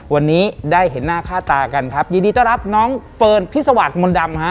วันนี้ได้เห็นหน้าค่าตากันครับยินดีต้อนรับน้องเฟิร์นพิสวัสดิมนต์ดำฮะ